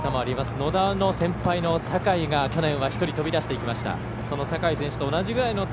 野田の先輩の酒井が去年は１人飛び出していきました。